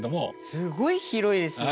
すごい広いですね！